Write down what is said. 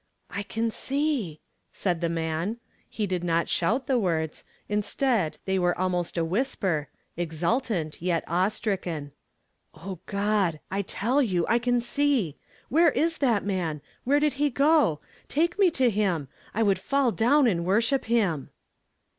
" I can se !" said the man. Ho did not shout the words • istead, they were almost a whisper, exultant, yet awe stricken. " O God ! I tell you I can seel Where is tli.tb man? Where did he go ? Take me to him ! I could fall down and worship him."